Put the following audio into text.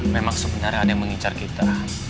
memang sebenarnya ada yang mengincar kita